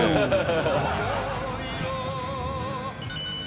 ハハハハッ。